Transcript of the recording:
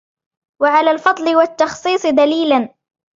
وَعَلَى الْفَضْلِ وَالتَّخْصِيصِ دَلِيلًا